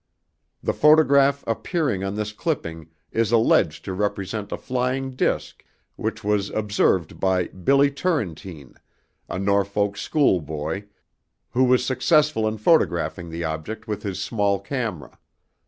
The photograph appearing on this clipping is alleged to represent a flying disc which was observed by BILLY TURRENTINE, a Norfolk school boy, who was successful in photographing the object with his small camera.